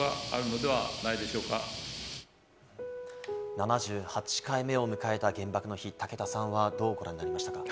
７８回目を迎えた原爆の日、武田さんはどうご覧になりましたか？